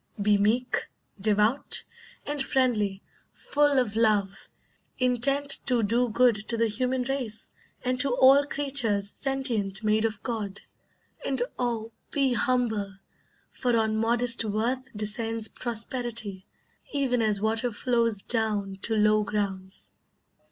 Be meek, devout, and friendly, full of love, Intent to do good to the human race And to all creatures sentient made of God; And oh, be humble, for on modest worth Descends prosperity, even as water flows Down to low grounds."